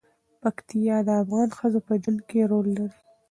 پکتیا د افغان ښځو په ژوند کې رول لري.